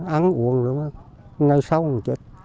và liệu có lan rộng hay không